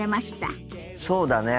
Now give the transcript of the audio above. そうだね。